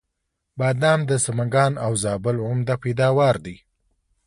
بادام د سمنګان او زابل عمده پیداوار دی.